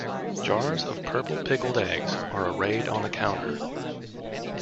Jars of purple pickled eggs are arrayed on the counter.